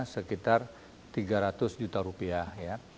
sekitar tiga ratus juta rupiah ya